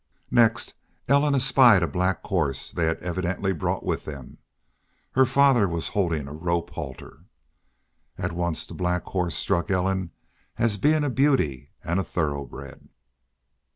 Next Ellen espied a black horse they had evidently brought with them. Her father was holding a rope halter. At once the black horse struck Ellen as being a beauty and a thoroughbred.